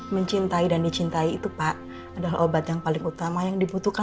mencintai dan dicintai itu pak adalah obat yang paling utama yang dibutuhkan